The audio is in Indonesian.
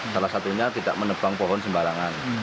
salah satunya tidak menebang pohon sembarangan